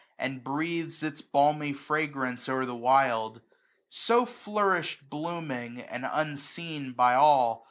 And breathes its balmy fragrance o*er the wild ; So flourished blooming, and unseen by all.